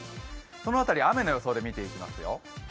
その辺り雨の予想で見ていきますよ。